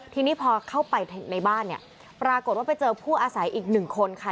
ทีนี้พอเข้าไปในบ้านเนี่ยปรากฏว่าไปเจอผู้อาศัยอีกหนึ่งคนค่ะ